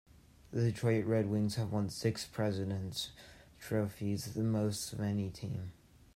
The Detroit Red Wings have won six Presidents' Trophies, the most of any team.